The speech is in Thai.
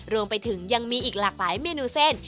รวมไปถึงยังมีอีกหลากหลายเมนูเส้น